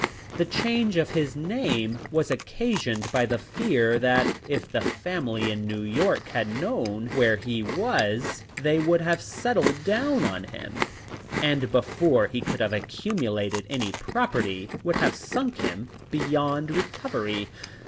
The change of his name was occasioned by the fear that if the family in New York had known where he was they would have settled down on him, and before he could have accumulated any property would have sunk him beyond recovery.